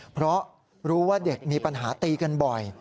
เพราะรู้ว่าเด็กมีปัญหาตีกันบ่อย